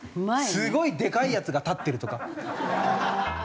すごいでかいやつが立ってるとか。